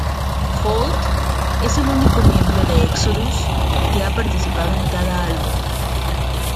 Holt es el único miembro de Exodus que ha participado en cada álbum.